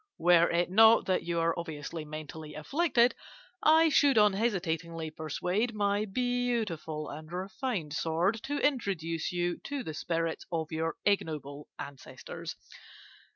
Were it not that you are obviously mentally afflicted, I should unhesitatingly persuade my beautiful and refined sword to introduce you to the spirits of your ignoble ancestors.